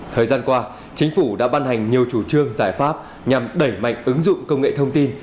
thời gian qua chính phủ đã ban hành nhiều chủ trương giải pháp nhằm đẩy mạnh ứng dụng công nghệ thông tin